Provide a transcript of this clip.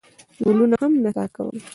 ګلونو هم نڅا کوله.